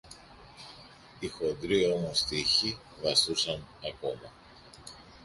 Οι χοντροί όμως τοίχοι βαστούσαν ακόμα.